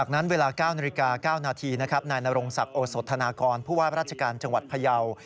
นายนารงศักดิ์โอสธนากรผู้ว่ารัชการจังหวัดพยาวิทยาลัย